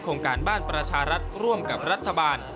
การบ้านประชารัฐร่วมกับรัฐบาล